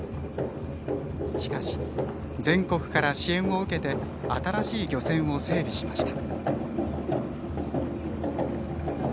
しかし、全国から支援を受けて新しい漁船を整備しました。